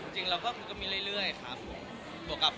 จริงเราก็มีเรื่อยครับ